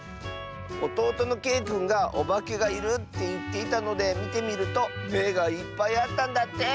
おとうとのけいくんがおばけがいるっていっていたのでみてみるとめがいっぱいあったんだって！